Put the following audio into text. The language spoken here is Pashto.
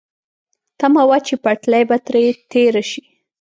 تمه وه چې پټلۍ به ترې تېره شي.